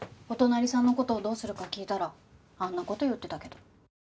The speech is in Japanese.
お隣さんの事をどうするか聞いたらあんな事言ってたけど。